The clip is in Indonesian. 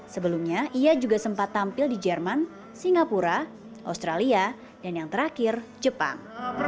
sebelumnya ia juga sempat tampil di jerman singapura australia dan yang terakhir jepang